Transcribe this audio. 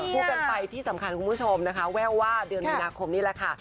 คู่กันไปที่สำคัญคุณผู้ชมนะคะแววว่าเดือนมีนาคมนี่แหละค่ะ